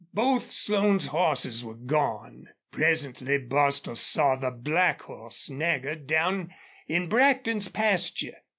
Both Slone's horses were gone. Presently Bostil saw the black horse Nagger down in Brackton's pasture.